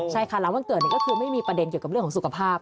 ใช่ค่ะหลังวันเกิดก็คือไม่มีประเด็นเกี่ยวกับเรื่องของสุขภาพ